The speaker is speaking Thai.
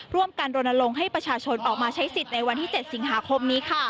รณลงให้ประชาชนออกมาใช้สิทธิ์ในวันที่๗สิงหาคมนี้